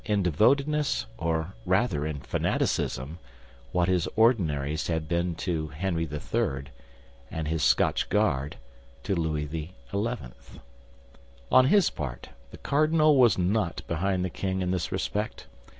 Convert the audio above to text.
in devotedness, or rather in fanaticism, what his Ordinaries had been to Henry III., and his Scotch Guard to Louis XI. On his part, the cardinal was not behind the king in this respect.